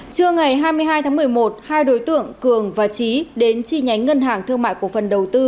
trưa ngày hai mươi hai tháng một mươi một hai đối tượng cường và trí đến chi nhánh ngân hàng thương mại cổ phần đầu tư